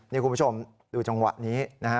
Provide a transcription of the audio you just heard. นี่คุณผู้ชมดูจังหวะนี้นะฮะ